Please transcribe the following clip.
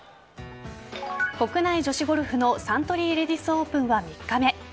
国内女子ゴルフのサントリーレディスオープンは３日目。